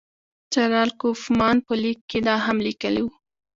جنرال کوفمان په لیک کې دا هم لیکلي وو.